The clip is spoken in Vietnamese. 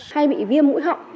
hay bị viêm mũi họng